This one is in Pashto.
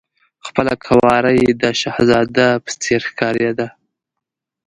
خپله قواره یې د شهزاده په څېر ښکارېده.